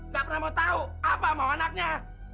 gak pernah mau tahu apa mau anaknya